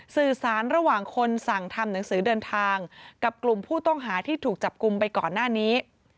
สื่อสารระหว่างคนสั่งทำหนังสือเดินทางกับกลุ่มผู้ต้องหาที่ถูกจับกลุ่มไปก่อนหน้านี้